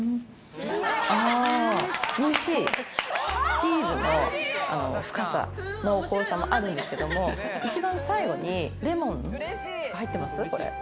チーズの深さ、濃厚さもあるんですけれど、一番最後にレモンが入っていますか。